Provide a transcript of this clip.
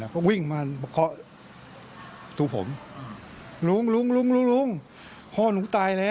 ก็วิ่งมาบอกผมรุงพ่อหนูตายแล้ว